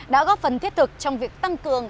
đã góp phần thiết thực trong việc tăng cường